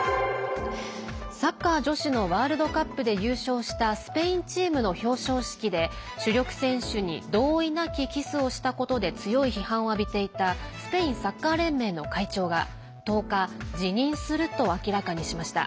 サッカー女子のワールドカップで優勝したスペインチームの表彰式で主力選手に同意なきキスをしたことで強い批判を浴びていたスペインサッカー連盟の会長が１０日、辞任すると明らかにしました。